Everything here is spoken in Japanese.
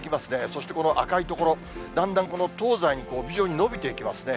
そしてこの赤い所、だんだん東西に、帯状に延びていきますね。